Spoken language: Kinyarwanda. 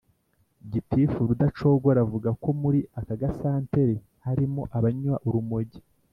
Gitifu Rudacogora avuga ko muri aka gasantere harimo abanywa urumogi